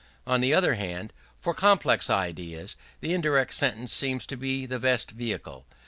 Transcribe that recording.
On the other hand, for complex ideas, the indirect sentence seems the best vehicle.